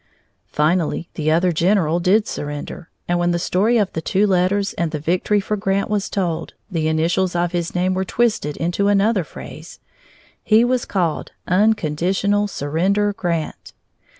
Finally the other general did surrender, and when the story of the two letters and the victory for Grant was told, the initials of his name were twisted into another phrase; he was called Unconditional Surrender Grant.